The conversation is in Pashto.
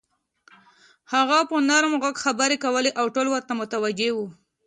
هغه په نرم غږ خبرې کولې او ټول ورته متوجه وو.